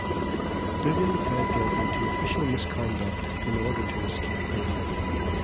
Dugan pled guilty to official misconduct in order to escape prison.